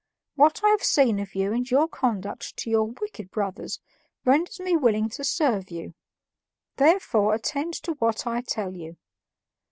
What I have seen of you and your conduct to your wicked brothers renders me willing to serve you; therefore, attend to what I tell you.